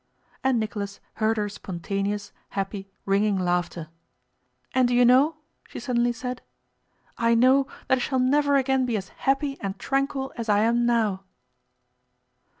'" And Nicholas heard her spontaneous, happy, ringing laughter. "And do you know," she suddenly said, "I know that I shall never again be as happy and tranquil as I am now."